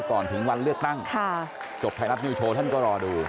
ก่อนถึงวันเลือกตั้งจบไทยรัฐนิวโชว์ท่านก็รอดู